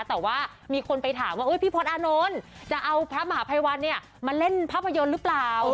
แต่ว่ามีคนไปถามว่าพี่พลตอานนท์จะเอาพระมหาภัยวันเนี่ยมาเล่นภาพยนตร์หรือเปล่า